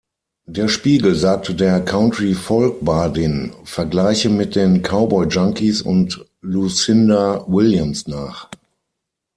Der Spiegel sagte der "Country-Folk-Bardin" Vergleiche mit den Cowboy Junkies und Lucinda Williams nach.